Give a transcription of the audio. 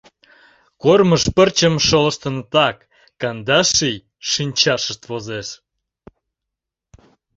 Кормыж пырчым шолыштынытак кандаш ий шинчашышт возеш.